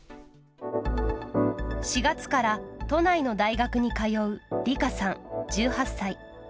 ４月から都内の大学に通うリカさん、１８歳。